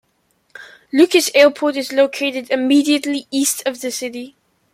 Lucas Airport is located immediately east of the city.